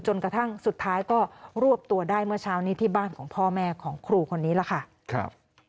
จนกระทั่งสุดท้ายก็รวบตัวได้เมื่อเช้านี้ที่บ้านของพ่อแม่ของครูคนนี้ล่ะค่ะ